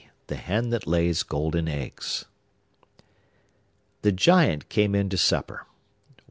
THE HEN THAT LAYS GOLDEN EGGS. The Giant came in to supper.